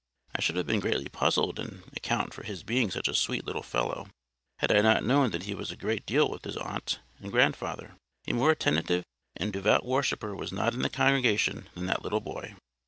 I should have been greatly puzzled to account for his being such a sweet little fellow, had I not known that he was a great deal with his aunt and grandfather. A more attentive and devout worshipper was not in the congregation than that little boy.